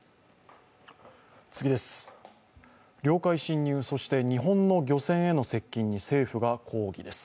領海侵入、そして日本の漁船への接近に政府が抗議です。